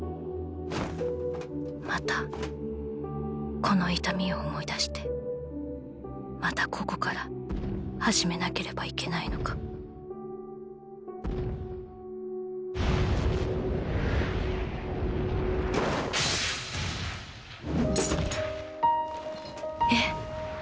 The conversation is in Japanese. またこの痛みを思い出してまたここから始めなければいけないのかえっ？